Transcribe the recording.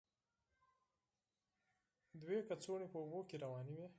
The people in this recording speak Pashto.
دوه کڅوړې په اوبو کې روانې وې.